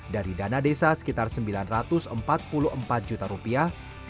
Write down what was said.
dari dana desa sekitar sembilan ratus empat puluh empat juta rupiah